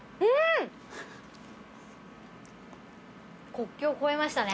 国境越えましたね。